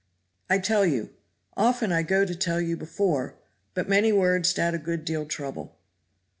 "I tell you. Often I go to tell you before, but many words dat a good deal trouble.